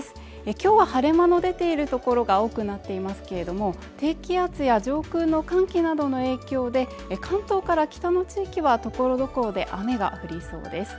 今日は晴れ間の出ているところが多くなっていますけれども、低気圧や上空の寒気などの影響で関東から北の地域は所々で雨が降りそうです